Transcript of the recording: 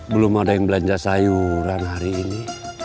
belum ada yang belanja sayuran hari ini